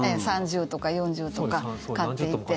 ３０とか４０とか飼っていて。